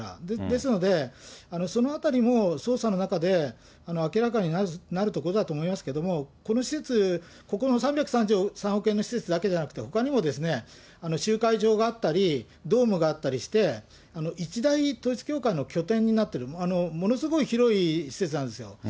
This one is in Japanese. ですので、そのあたりも捜査の中で明らかになるところだと思いますけれども、この施設、ここの３３３億円の施設だけじゃなくて、ほかにも集会場があったり、ドームがあったりして、一大、統一教会の拠点になってる、ものすごい広い施設あるんですよ。